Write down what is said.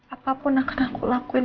apapun akan aku lakuin